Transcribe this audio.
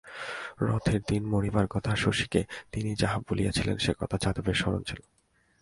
রথের দিন মরিবার কথা শশীকে তিনি যাহা বলিয়াছিলেন সেকথা যাদবের স্মরণ ছিল।